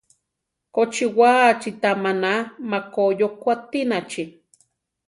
Kochiwaachi ta maná makoí okua tinachi?